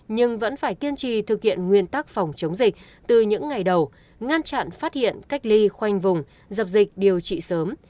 nhưng vẫn phải kiên trì thực hiện nguyên tắc phòng chống dịch từ những ngày đầu ngăn chặn phát hiện cách ly khoanh vùng dập dịch điều trị sớm